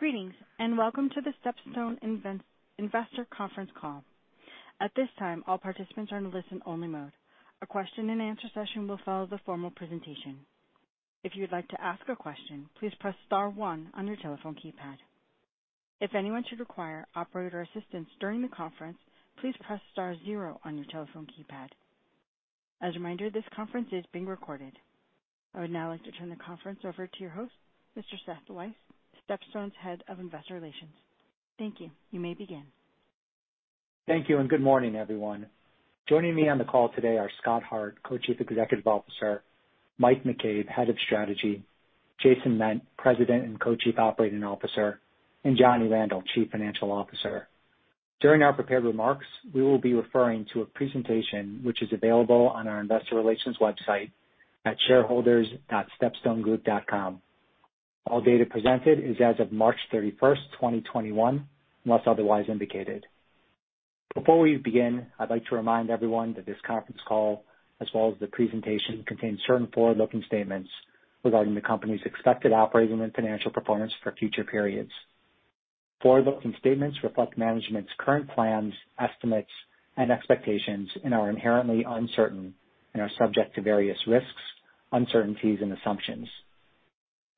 Greetings, welcome to the StepStone Investor Conference Call. At this time, all participants are in listen only mode. A question and answer session will follow the formal presentation. If you'd like to ask a question, please press star one on your telephone keypad. If anyone should require operator assistance during the conference, please press star zero on your telephone keypad. As a reminder, this conference is being recorded. I would now like to turn the conference over to your host, Mr. Seth Weiss, StepStone's Head of Investor Relations. Thank you. You may begin. Thank you, good morning, everyone. Joining me on the call today are Scott Hart, Co-Chief Executive Officer, Mike McCabe, Head of Strategy, Jason Ment, President and Co-Chief Operating Officer, and Johnny Randel, Chief Financial Officer. During our prepared remarks, we will be referring to a presentation which is available on our Investor Relations website at shareholders.stepstonegroup.com. All data presented is as of March 31st, 2021, unless otherwise indicated. Before we begin, I'd like to remind everyone that this conference call, as well as the presentation, contains certain forward-looking statements regarding the company's expected operating and financial performance for future periods. Forward-looking statements reflect management's current plans, estimates, and expectations and are inherently uncertain, and are subject to various risks, uncertainties, and assumptions.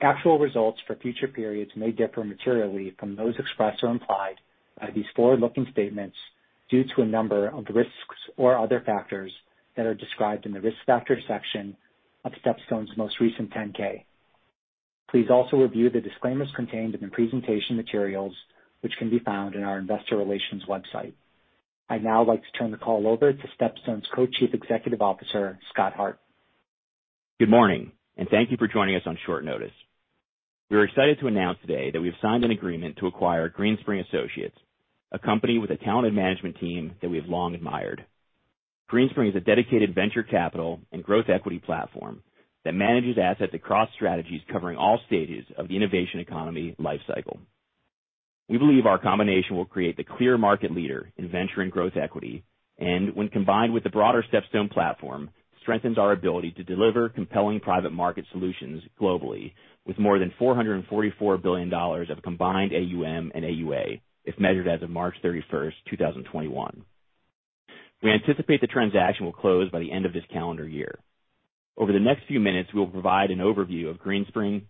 Actual results for future periods may differ materially from those expressed or implied by these forward-looking statements due to a number of risks or other factors that are described in the Risk Factors section of StepStone's most recent 10-K. Please also review the disclaimers contained in the presentation materials, which can be found on our Investor Relations website. I'd now like to turn the call over to StepStone's Co-Chief Executive Officer, Scott Hart. Good morning, and thank you for joining us on short notice. We're excited to announce today that we've signed an agreement to acquire Greenspring Associates, a company with a talented management team that we've long admired. Greenspring is a dedicated venture capital and growth equity platform that manages assets across strategies covering all stages of the innovation economy lifecycle. We believe our combination will create the clear market leader in venture and growth equity, and when combined with the broader StepStone platform, strengthens our ability to deliver compelling private market solutions globally with more than $444 billion of combined AUM and AUA as measured as of March 31st, 2021. We anticipate the transaction will close by the end of this calendar year. Over the next few minutes, we will provide an overview of Greenspring,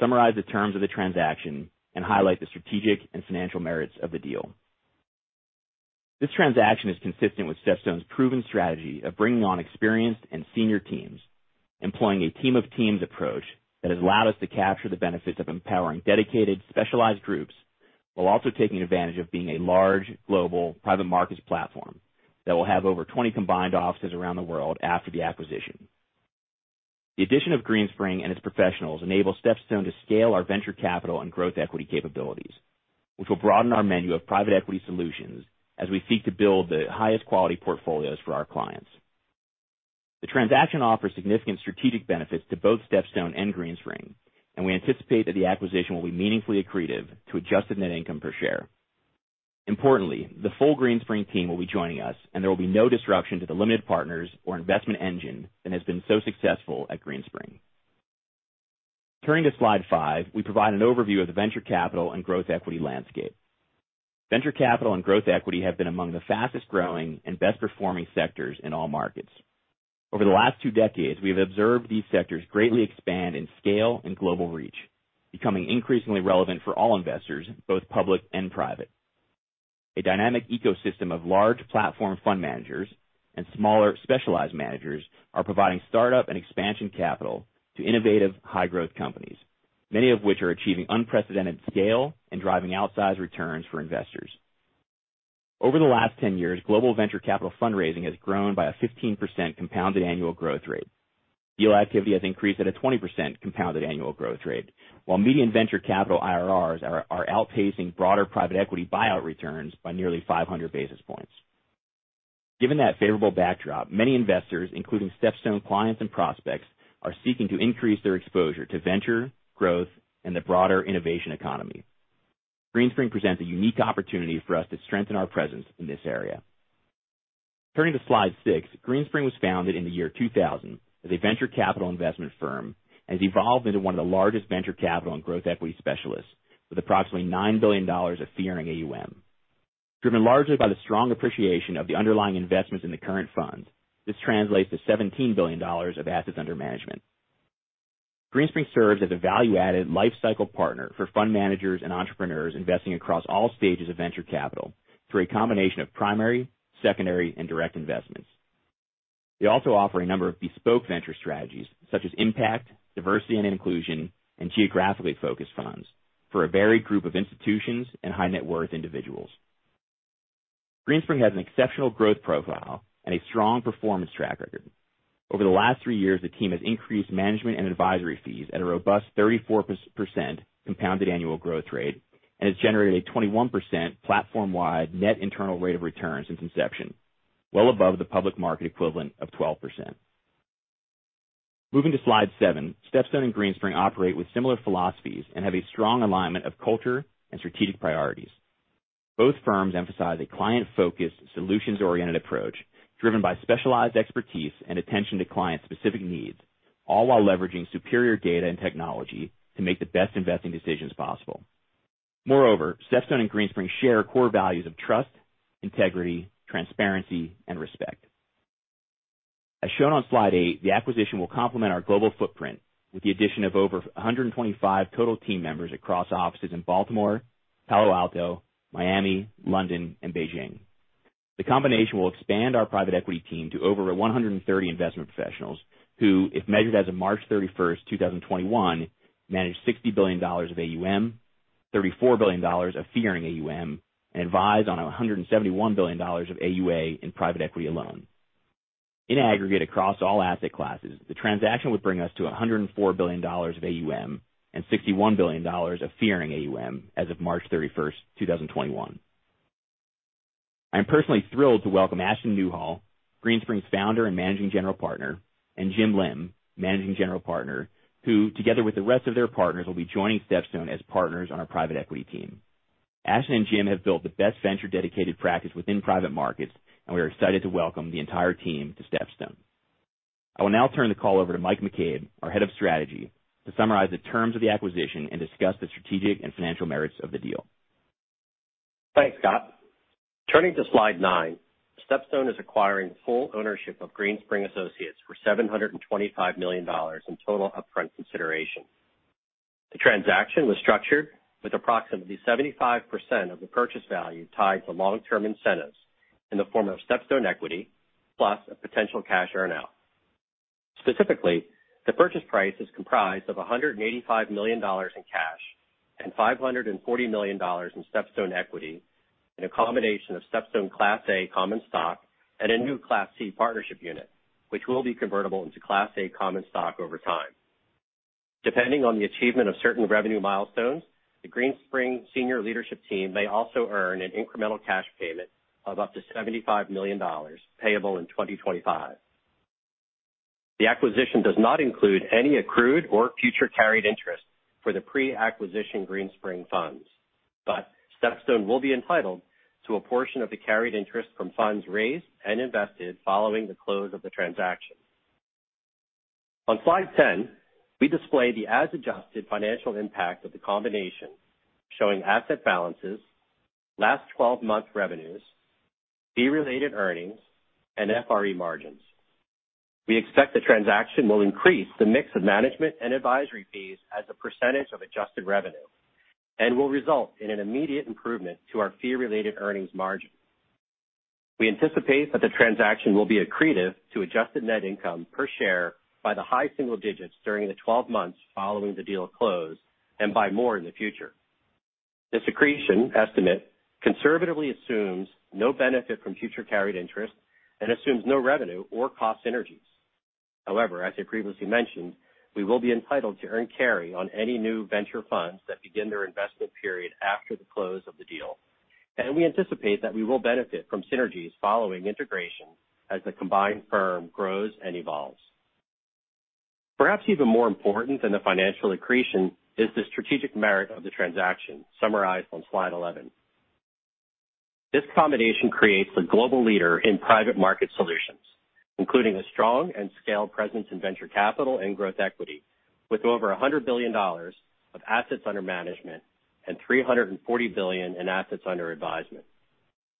summarize the terms of the transaction, and highlight the strategic and financial merits of the deal. This transaction is consistent with StepStone's proven strategy of bringing on experienced and senior teams, employing a team of teams approach that has allowed us to capture the benefits of empowering dedicated, specialized groups, while also taking advantage of being a large global private markets platform that will have over 20 combined offices around the world after the acquisition. The addition of Greenspring and its professionals enables StepStone to scale our venture capital and growth equity capabilities, which will broaden our menu of private equity solutions as we seek to build the highest quality portfolios for our clients. The transaction offers significant strategic benefits to both StepStone and Greenspring, we anticipate that the acquisition will be meaningfully accretive to adjusted net income per share. Importantly, the full Greenspring team will be joining us, and there will be no disruption to the limited partners or investment engine that has been so successful at Greenspring. Turning to slide five, we provide an overview of the venture capital and growth equity landscape. Venture capital and growth equity have been among the fastest growing and best performing sectors in all markets. Over the last two decades, we have observed these sectors greatly expand in scale and global reach, becoming increasingly relevant for all investors, both public and private. A dynamic ecosystem of large platform fund managers and smaller specialized managers are providing startup and expansion capital to innovative high-growth companies, many of which are achieving unprecedented scale and driving outsized returns for investors. Over the last 10 years, global venture capital fundraising has grown by a 15% compounded annual growth rate. Deal activity has increased at a 20% compounded annual growth rate, while median venture capital IRRs are outpacing broader private equity buyout returns by nearly 500 basis points. Given that favorable backdrop, many investors, including StepStone clients and prospects, are seeking to increase their exposure to venture, growth, and the broader innovation economy. Greenspring presents a unique opportunity for us to strengthen our presence in this area. Turning to slide six, Greenspring was founded in the year 2000 as a venture capital investment firm, and has evolved into one of the largest venture capital and growth equity specialists with approximately $9 billion of fee-earning AUM. Driven largely by the strong appreciation of the underlying investments in the current fund, this translates to $17 billion of assets under management. Greenspring serves as a value-added lifecycle partner for fund managers and entrepreneurs investing across all stages of venture capital through a combination of primary, secondary, and direct investments. They also offer a number of bespoke venture strategies such as impact, diversity and inclusion, and geographically focused funds for a varied group of institutions and high net worth individuals. Greenspring has an exceptional growth profile and a strong performance track record. Over the last three years, the team has increased management and advisory fees at a robust 34% compounded annual growth rate and has generated a 21% platform-wide net internal rate of return since inception, well above the public market equivalent of 12%. Moving to slide seven, StepStone and Greenspring operate with similar philosophies and have a strong alignment of culture and strategic priorities. Both firms emphasize a client-focused, solutions-oriented approach driven by specialized expertise and attention to client-specific needs, all while leveraging superior data and technology to make the best investing decisions possible. Moreover, StepStone and Greenspring share core values of trust, integrity, transparency, and respect. As shown on slide eight, the acquisition will complement our global footprint with the addition of over 125 total team members across offices in Baltimore, Palo Alto, Miami, London, and Beijing. The combination will expand our private equity team to over 130 investment professionals who, if measured as of March 31st, 2021, manage $60 billion of AUM, $34 billion of fee-earning AUM, and advise on $171 billion of AUA in private equity alone. In aggregate across all asset classes, the transaction would bring us to $104 billion of AUM and $61 billion of fee-earning AUM as of March 31st, 2021. I'm personally thrilled to welcome Ashton Newhall, Greenspring's Founder and Managing General Partner, and Jim Lim, Managing General Partner, who together with the rest of their partners, will be joining StepStone as partners on our private equity team. Ashton and Jim have built the best venture-dedicated practice within private markets, and we are excited to welcome the entire team to StepStone. I will now turn the call over to Mike McCabe, our Head of Strategy, to summarize the terms of the acquisition and discuss the strategic and financial merits of the deal. Thanks, Scott. Turning to slide nine, StepStone is acquiring full ownership of Greenspring Associates for $725 million in total upfront consideration. The transaction was structured with approximately 75% of the purchase value tied to long-term incentives in the form of StepStone equity, plus a potential cash earn-out. Specifically, the purchase price is comprised of $185 million in cash and $540 million in StepStone equity in a combination of StepStone Class A common stock and a new Class C partnership unit, which will be convertible into Class A common stock over time. Depending on the achievement of certain revenue milestones, the Greenspring senior leadership team may also earn an incremental cash payment of up to $75 million payable in 2025. The acquisition does not include any accrued or future carried interest for the pre-acquisition Greenspring funds, but StepStone will be entitled to a portion of the carried interest from funds raised and invested following the close of the transaction. On slide 10, we display the as-adjusted financial impact of the combination, showing asset balances, last 12-month revenues, fee-related earnings, and FRE margins. We expect the transaction will increase the mix of management and advisory fees as a percentage of adjusted revenue and will result in an immediate improvement to our fee-related earnings margin. We anticipate that the transaction will be accretive to adjusted net income per share by the high single digits during the 12 months following the deal close and by more in the future. This accretion estimate conservatively assumes no benefit from future carried interest and assumes no revenue or cost synergies. However, as I previously mentioned, we will be entitled to earn carry on any new venture funds that begin their investment period after the close of the deal, and we anticipate that we will benefit from synergies following integration as the combined firm grows and evolves. Perhaps even more important than the financial accretion is the strategic merit of the transaction, summarized on slide 11. This combination creates a global leader in private market solutions, including a strong and scaled presence in venture capital and growth equity, with over $100 billion of assets under management and $340 billion in assets under advisement.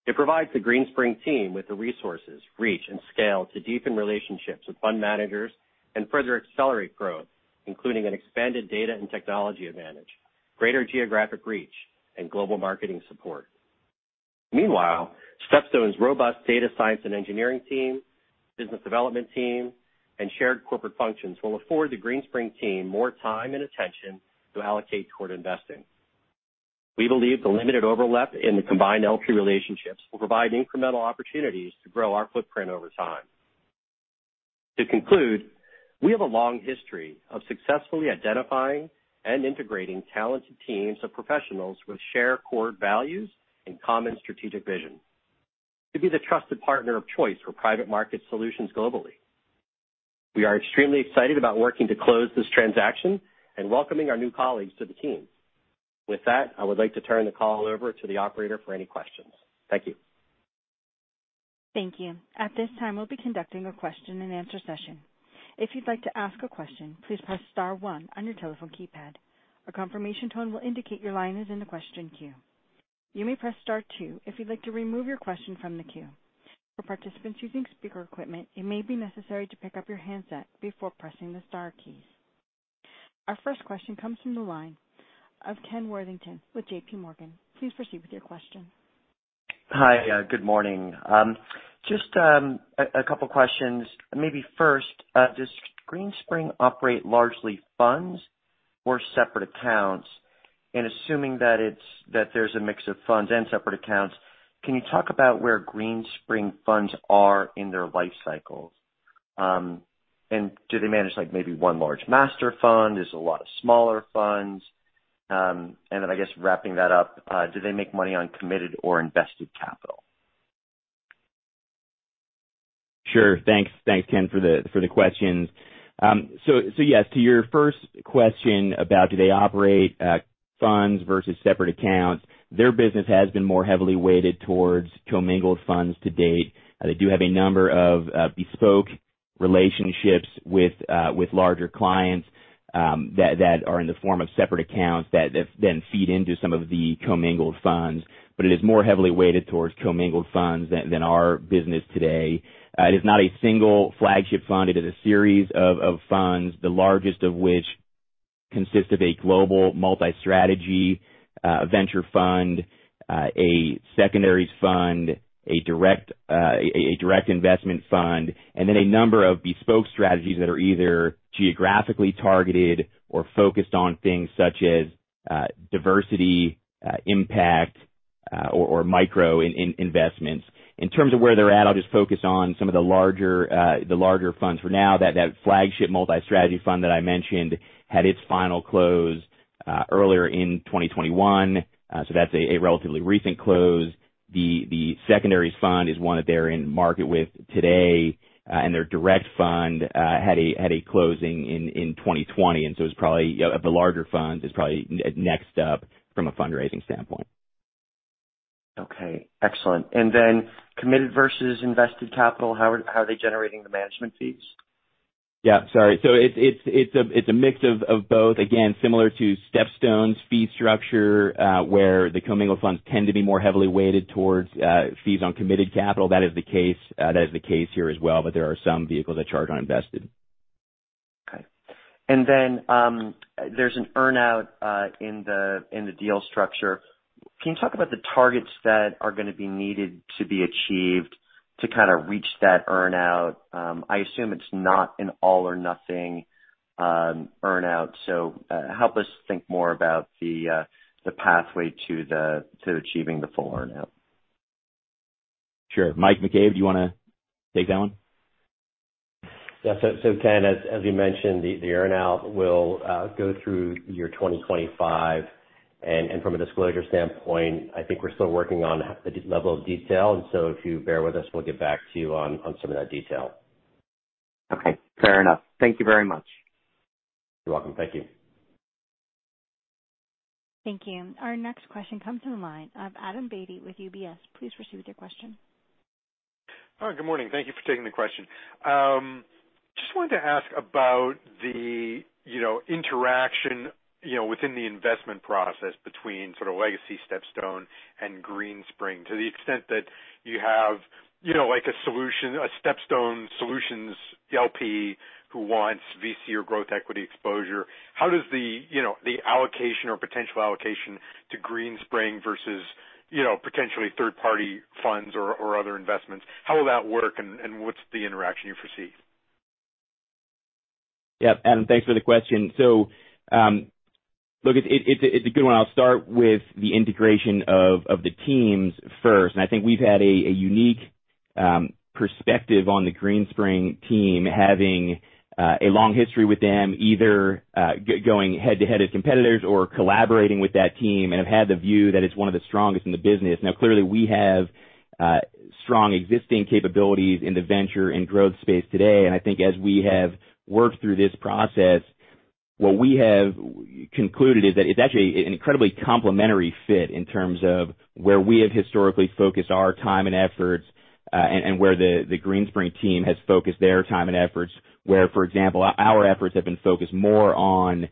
It provides the Greenspring team with the resources, reach, and scale to deepen relationships with fund managers and further accelerate growth, including an expanded data and technology advantage, greater geographic reach, and global marketing support. Meanwhile, StepStone's robust data science and engineering team, business development team, and shared corporate functions will afford the Greenspring team more time and attention to allocate toward investing. We believe the limited overlap in the combined LP relationships will provide incremental opportunities to grow our footprint over time. To conclude, we have a long history of successfully identifying and integrating talented teams of professionals with shared core values and common strategic vision to be the trusted partner of choice for private market solutions globally. We are extremely excited about working to close this transaction and welcoming our new colleagues to the team. With that, I would like to turn the call over to the operator for any questions. Thank you. Thank you. At this time, we'll be conducting a question-and-answer session. If you'd like to ask a question, please press star one on your telephone keypad. A confirmation tone will indicate your line is in the question queue. You may press star two if you'd like to remove your question from the queue. For participants using speaker equipment, it may be necessary to pick up your handset before pressing the star keys. Our first question comes from the line of Ken Worthington with JPMorgan. Please proceed with your question. Hi. Good morning. Just a couple questions. Maybe first, does Greenspring operate largely funds or separate accounts? Assuming that there's a mix of funds and separate accounts, can you talk about where Greenspring funds are in their life cycles? Do they manage maybe one large master fund? There's a lot of smaller funds. I guess wrapping that up, do they make money on committed or invested capital? Sure. Thanks, Ken, for the questions. Yeah, to your first question about do they operate funds versus separate accounts, their business has been more heavily weighted towards commingled funds to date. They do have a number of bespoke relationships with larger clients that are in the form of separate accounts that then feed into some of the commingled funds, but it is more heavily weighted towards commingled funds than our business today. It's not a single flagship fund, it is a series of funds, the largest of which consists of a global multi-strategy venture fund, a secondaries fund, a direct investment fund, and then a number of bespoke strategies that are either geographically targeted or focused on things such as diversity impact or micro investments. In terms of where they're at, I'll just focus on some of the larger funds for now. That flagship multi-strategy fund that I mentioned had its final close earlier in 2021. That's a relatively recent close. The secondaries fund is one that they're in market with today, and their direct fund had a closing in 2020, and so of the larger funds, it's probably next up from a fundraising standpoint. Okay, excellent. Committed versus invested capital, how are they generating the management fees? Sorry. It's a mix of both. Again, similar to StepStone's fee structure, where the commingled funds tend to be more heavily weighted towards fees on committed capital. That is the case here as well, but there are some vehicles that charge on invested. Okay. There's an earn-out in the deal structure. Can you talk about the targets that are going to be needed to be achieved to reach that earn-out? I assume it's not an all or nothing earn-out. Help us think more about the pathway to achieving the full earn-out. Sure. Mike McCabe, do you want to take that one? Yeah. Ken, as you mentioned, the earn-out will go through year 2025 and from a disclosure standpoint, I think we're still working on the level of detail. If you bear with us, we'll get back to you on some of that detail. Okay, fair enough. Thank you very much. You're welcome. Thank you. Thank you. Our next question comes from the line of Adam Beatty with UBS. Please proceed with your question. All right. Good morning. Thank you for taking the question. Just wanted to ask about the interaction within the investment process between sort of legacy StepStone and Greenspring to the extent that you have a solution, a StepStone Solutions LP who wants VC or growth equity exposure. How does the allocation or potential allocation to Greenspring versus potentially third-party funds or other investments, how will that work and what's the interaction you foresee? Yeah, Adam, thanks for the question. Look, it's a good one. I'll start with the integration of the teams first, and I think we've had a unique perspective on the Greenspring team having a long history with them, either going head-to-head as competitors or collaborating with that team, and have the view that it's one of the strongest in the business. Now, clearly, we have strong existing capabilities in the venture and growth space today, and I think as we have worked through this process, what we have concluded is that it's actually an incredibly complementary fit in terms of where we have historically focused our time and efforts and where the Greenspring team has focused their time and efforts. Where, for example, our efforts have been focused more on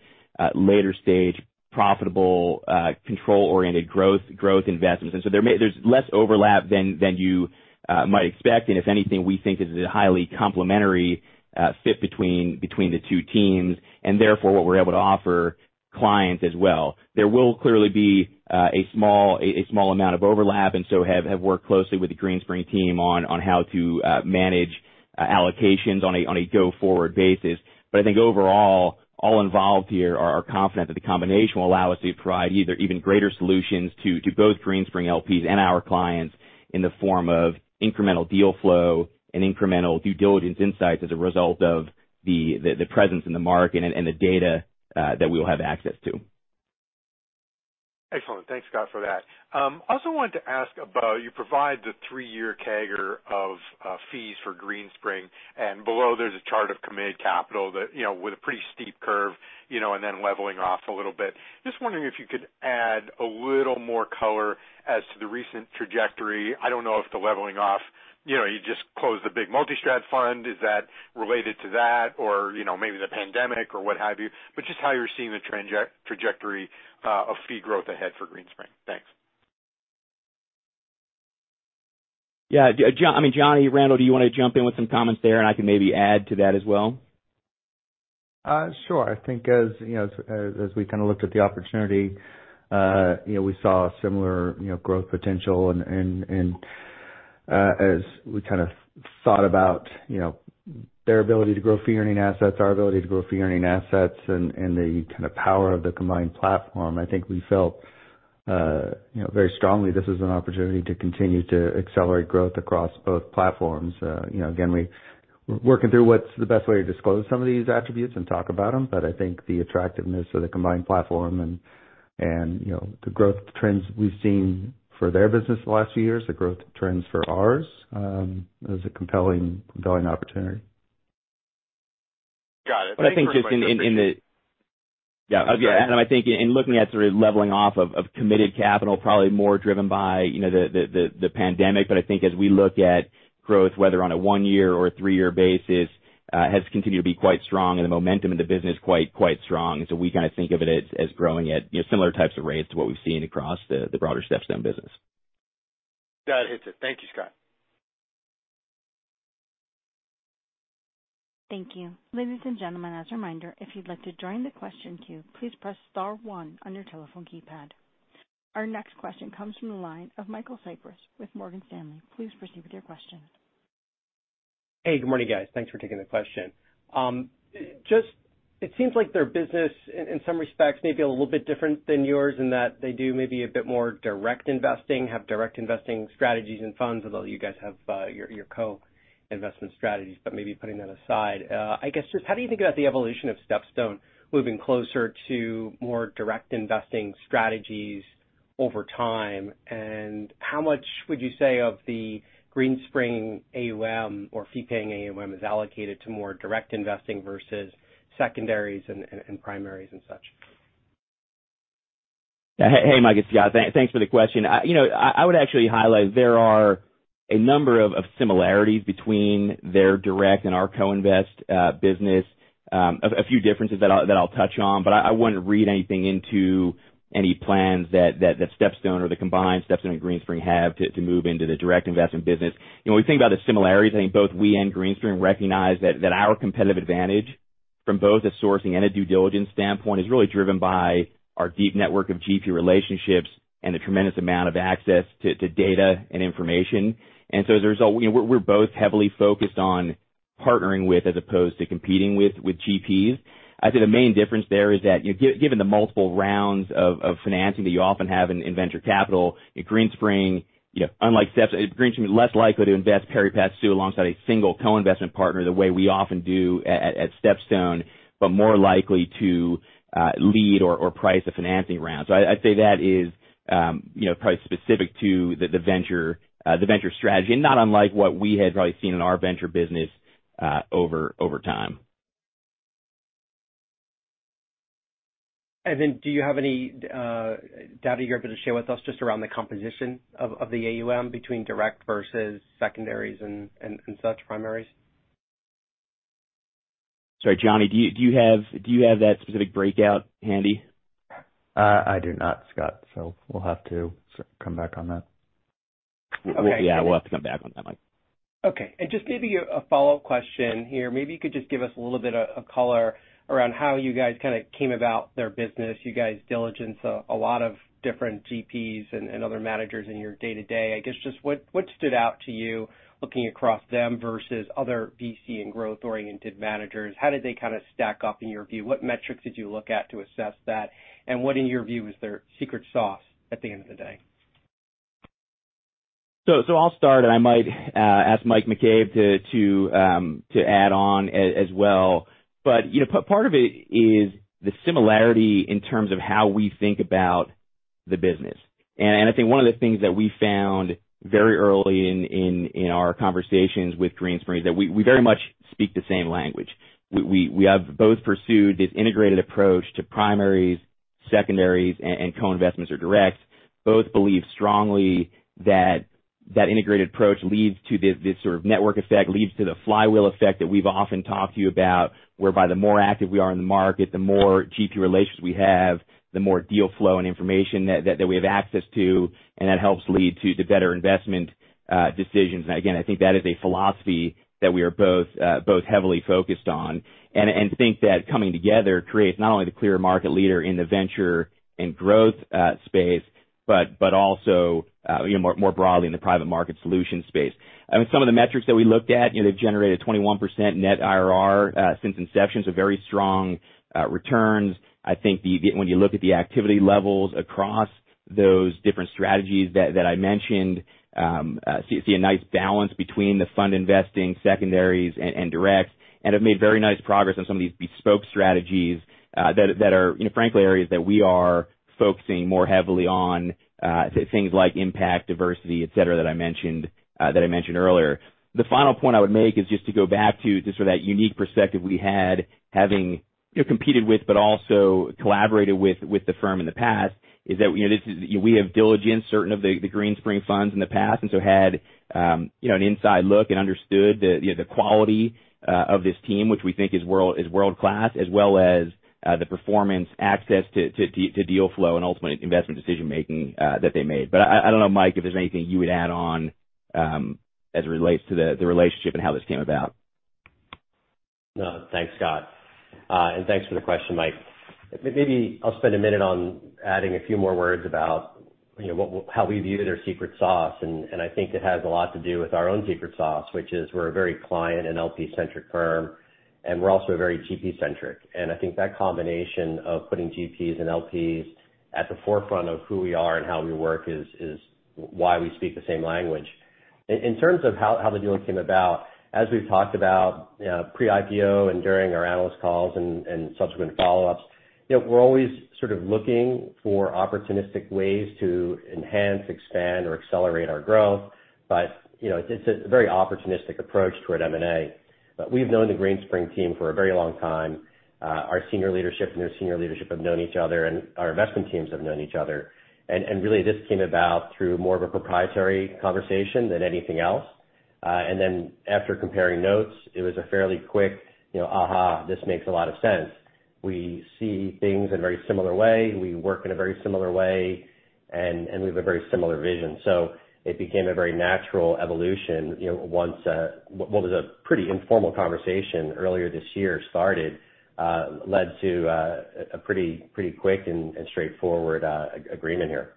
later stage profitable control-oriented growth investments. There's less overlap than you might expect. If anything, we think this is a highly complementary fit between the two teams and therefore what we're able to offer clients as well. There will clearly be a small amount of overlap. Have worked closely with the Greenspring team on how to manage allocations on a go-forward basis. I think overall, all involved here are confident that the combination will allow us to provide even greater solutions to both Greenspring LPs and our clients in the form of incremental deal flow and incremental due diligence insights as a result of the presence in the market and the data that we'll have access to. Excellent. Thanks, Scott, for that. Also wanted to ask about, you provide the three-year CAGR of fees for Greenspring, and below there's a chart of committed capital that with a pretty steep curve, and then leveling off a little bit. Just wondering if you could add a little more color as to the recent trajectory. I don't know if the leveling off, you just closed a big multi-strat fund. Is that related to that or maybe the pandemic or what have you, but just how you're seeing the trajectory of fee growth ahead for Greenspring? Thanks. Johnny Randel, do you want to jump in with some comments there? I can maybe add to that as well. Sure. I think as we kind of looked at the opportunity, we saw similar growth potential. As we thought about their ability to grow fee-earning assets, our ability to grow fee-earning assets, and the power of the combined platform. I think we felt very strongly this is an opportunity to continue to accelerate growth across both platforms. We're working through what's the best way to disclose some of these attributes and talk about them. I think the attractiveness of the combined platform and the growth trends we've seen for their business the last few years, the growth trends for ours is a compelling opportunity. Got it. Thanks, Johnny. Yeah. I think in looking at the leveling off of committed capital, probably more driven by the pandemic. I think as we look at growth, whether on a one-year or three-year basis, has continued to be quite strong and the momentum of the business quite strong. We think of it as growing at similar types of rates to what we've seen across the broader StepStone business. Got it. Thank you, Scott. Thank you. Ladies and gentlemen, as a reminder, if you'd like to join the question queue, please press star one on your telephone keypad. Our next question comes from the line of Michael Cyprys with Morgan Stanley. Please proceed with your question. Hey. Good morning, guys. Thanks for taking the question. It seems like their business in some respects may be a little bit different than yours in that they do maybe a bit more direct investing, have direct investing strategies and funds. Although you guys have your co-investment strategies, but maybe putting that aside. How do you think about the evolution of StepStone moving closer to more direct investing strategies over time? How much would you say of the Greenspring AUM or fee-paying AUM is allocated to more direct investing versus secondaries and primaries and such? Hey, Mike. It's Scott. Thanks for the question. I would actually highlight there are a number of similarities between their direct and our co-invest business. A few differences that I'll touch on. I wouldn't read anything into any plans that StepStone or the combined StepStone and Greenspring have to move into the direct investment business. When we think about the similarities, I think both we and Greenspring recognize that our competitive advantage from both a sourcing and a due diligence standpoint is really driven by our deep network of GP relationships and a tremendous amount of access to data and information. We're both heavily focused on partnering with, as opposed to competing with GPs. I'd say the main difference there is that given the multiple rounds of financing that you often have in venture capital, Greenspring, unlike StepStone, Greenspring be less likely to invest pari passu alongside a single co-investment partner, the way we often do at StepStone, but more likely to lead or price a financing round. I'd say that is probably specific to the venture strategy, and not unlike what we have probably seen in our venture business over time. Do you have any data you're able to share with us just around the composition of the AUM between direct versus secondaries and such primaries? Sorry, Johnny, do you have that specific breakout handy? I do not, Scott, so we'll have to come back on that. Yeah, we'll have to come back on that one. Okay. Just maybe a follow-up question here. Maybe you could just give us a little bit of color around how you guys came about their business. You guys diligence a lot of different GPs and other managers in your day-to-day. I guess just what stood out to you looking across them versus other VC and growth-oriented managers? How did they stack up in your view? What metrics did you look at to assess that? What, in your view, is their secret sauce at the end of the day? I'll start. I might ask Mike McCabe to add on as well. Part of it is the similarity in terms of how we think about the business. I think one of the things that we found very early in our conversations with Greenspring is that we very much speak the same language. We have both pursued this integrated approach to primaries, secondaries, and co-investments or directs. Both believe strongly that that integrated approach leads to this sort of network effect, leads to the flywheel effect that we've often talked to you about, whereby the more active we are in the market, the more GP relationships we have, the more deal flow and information that we have access to, and that helps lead to the better investment decisions. Again, I think that is a philosophy that we are both heavily focused on. I think that coming together creates not only the clear market leader in the Venture and Growth space, but also more broadly in the private market solution space. Some of the metrics that we looked at, they generated a 21% net IRR since inception, so very strong returns. I think when you look at the activity levels across those different strategies that I mentioned, so you see a nice balance between the fund investing, secondaries, and direct. Have made very nice progress on some of these bespoke strategies that are frankly, areas that we are focusing more heavily on, things like impact, diversity, et cetera, that I mentioned earlier. The final point I would make is just to go back to just sort of that unique perspective we had, having competed with, but also collaborated with the firm in the past, is that we have diligenced certain of the Greenspring funds in the past, and so had an inside look and understood the quality of this team, which we think is world-class, as well as the performance access to deal flow and ultimately investment decision-making that they made. I don't know, Mike, if there's anything you would add on as it relates to the relationship and how this came about. No, thanks, Scott, and thanks for the question, Mike. Maybe I'll spend a minute on adding a few more words about how we view their secret sauce, and I think it has a lot to do with our own secret sauce, which is we're a very client and LP-centric firm, and we're also very GP-centric. I think that combination of putting GPs and LPs at the forefront of who we are and how we work is why we speak the same language. In terms of how the deal came about, as we talked about pre-IPO and during our analyst calls and subsequent follow-ups, we're always sort of looking for opportunistic ways to enhance, expand, or accelerate our growth. It's a very opportunistic approach toward M&A. We've known the Greenspring team for a very long time. Our senior leadership and their senior leadership have known each other, and our investment teams have known each other. Really this came about through more of a proprietary conversation than anything else. After comparing notes, it was a fairly quick, "Aha, this makes a lot of sense." We see things in a very similar way. We work in a very similar way, and we have a very similar vision. It became a very natural evolution, once what was a pretty informal conversation earlier this year started, led to a pretty quick and straightforward agreement here.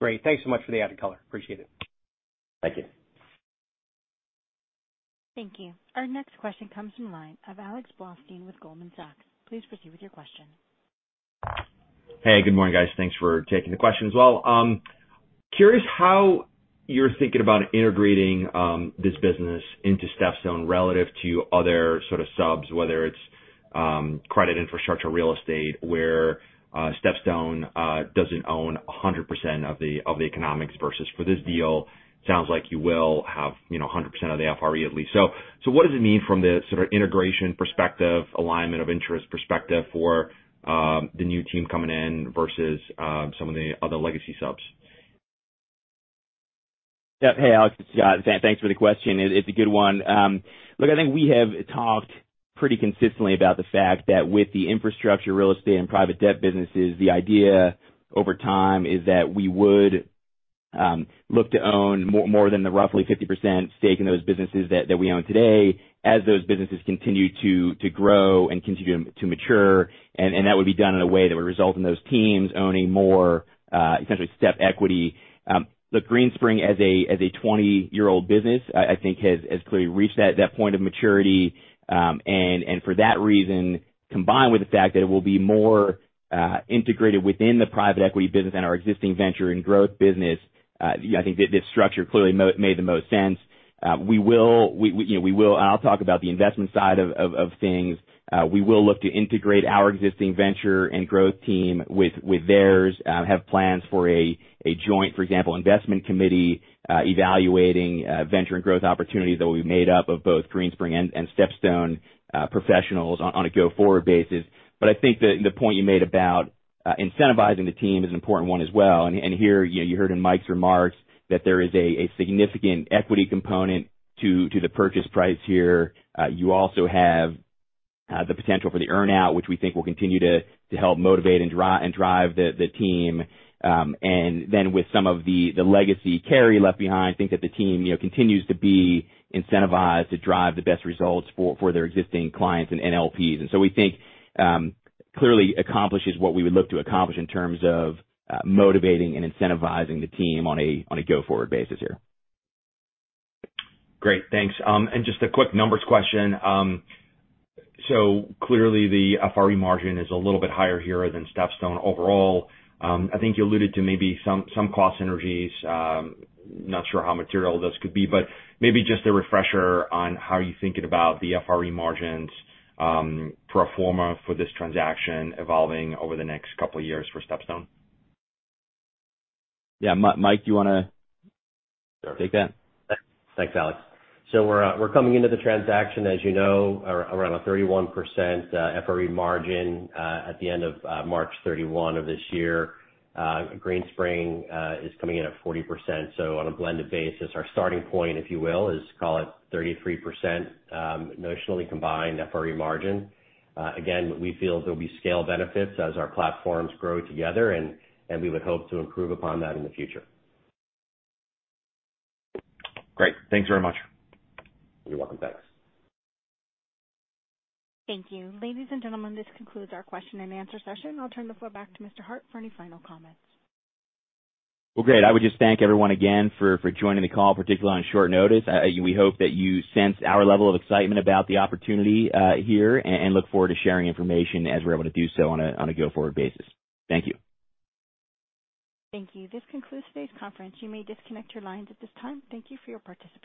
Great. Thanks so much for the added color. Appreciate it. Thank you. Thank you. Our next question comes from the line of Alex Blostein with Goldman Sachs. Please proceed with your question. Hey, good morning, guys. Thanks for taking the question as well. Curious how you're thinking about integrating this business into StepStone relative to other sort of subs, whether it's credit infrastructure, real estate, where StepStone doesn't own 100% of the economics versus for this deal, sounds like you will have 100% of the FRE at least. What does it mean from the sort of integration perspective, alignment of interest perspective for the new team coming in versus some of the other legacy subs? Hey, Alex. Thanks for the question. It's a good one. Look, I think we have talked pretty consistently about the fact that with the infrastructure, real estate, and private debt businesses, the idea over time is that we would look to own more than the roughly 50% stake in those businesses that we own today as those businesses continue to grow and continue to mature. That would be done in a way that would result in those teams owning more in terms of StepStone equity. Greenspring as a 20-year-old business, I think has clearly reset that point of maturity. For that reason, combined with the fact that it will be more integrated within the private equity business and our existing venture and growth business, I think this structure clearly made the most sense. I'll talk about the investment side of things. We will look to integrate our existing venture and growth team with theirs, have plans for example, a joint investment committee, evaluating venture and growth opportunities that we made up of both Greenspring and StepStone professionals on a go-forward basis. I think the point you made about incentivizing the team is an important one as well. Here, you heard in Mike's remarks that there is a significant equity component to the purchase price here. You also have the potential for the earn out, which we think will continue to help motivate and drive the team. With some of the legacy carry left behind, I think that the team continues to be incentivized to drive the best results for their existing clients and LPs. We think clearly accomplishes what we would look to accomplish in terms of motivating and incentivizing the team on a go-forward basis here. Great, thanks. Just a quick numbers question. Clearly the FRE margin is a little bit higher here than StepStone overall. I think you alluded to maybe some cost synergies. Not sure how material those could be, but maybe just a refresher on how you're thinking about the FRE margins pro forma for this transaction evolving over the next couple of years for StepStone. Yeah, Mike, do you want to take that? Thanks, Alex. We're coming into the transaction, as you know, around a 31% FRE margin at the end of March 31 of this year. Greenspring is coming in at 40%. On a blended basis, our starting point, if you will, is call it 33% notionally combined FRE margin. Again, we feel there'll be scale benefits as our platforms grow together, and we would hope to improve upon that in the future. Great. Thanks very much. You're welcome. Thanks. Thank you. Ladies and gentlemen, this concludes our question and answer session. I'll turn the floor back to Mr. Hart for any final comments. Well, great. I would just thank everyone again for joining the call, particularly on short notice. We hope that you sense our level of excitement about the opportunity here and look forward to sharing information as we're able to do so on a go-forward basis. Thank you. Thank you. This concludes the conference. You may disconnect your lines at this time. Thank you for your participation.